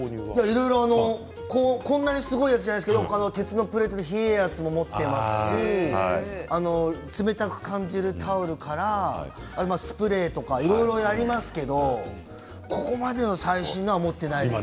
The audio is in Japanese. こんなにすごいやつじゃないですけど鉄のプレートで冷えるやつも持っていますし冷たく感じるタオルからスプレーとかいろいろやりますけどここまでの最新のやつ持っていないですね。